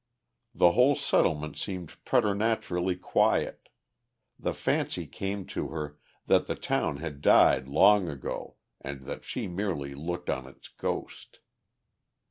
The whole settlement seemed preternaturally quiet; the fancy came to her that the town had died long ago and that she merely looked on its ghost.